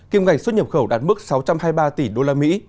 kiêm ngành xuất nhập khẩu đạt mức sáu trăm hai mươi ba tỷ usd